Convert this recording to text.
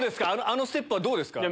あのステップは。